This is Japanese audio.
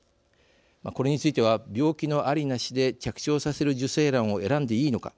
これについては病気のあり、なしで着床させる受精卵を選んでいいのか。